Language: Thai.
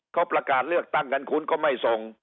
เขาประกาศเลือกตั้งกันคุณก็ไม่ส่ง